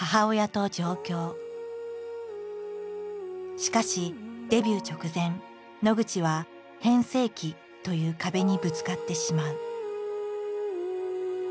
しかしデビュー直前野口は変声期という壁にぶつかってしまう。